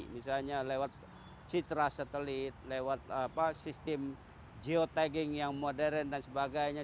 misalnya lewat citra satelit lewat sistem geotagging yang modern dan sebagainya